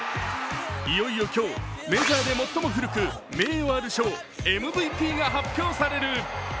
いよいよ今日、メジャーで最も古く名誉ある賞、ＭＶＰが発表される。